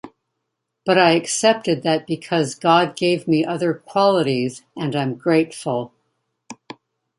But I accepted that because God gave me other qualities and I'm grateful.